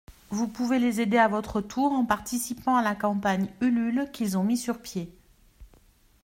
Vous pouvez les aider à votre tour en participant à la campagne Ulule qu’ils ont mis sur pied.